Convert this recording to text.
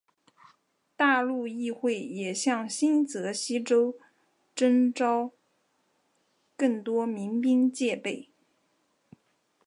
大陆议会也向新泽西州征召更多民兵戒备。